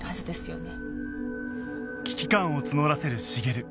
危機感を募らせる茂